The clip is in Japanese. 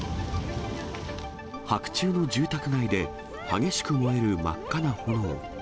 白昼の住宅街で、激しく燃える真っ赤な炎。